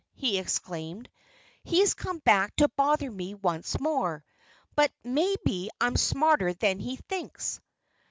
he exclaimed. "He's come back to bother me once more. But maybe I'm smarter than he thinks!"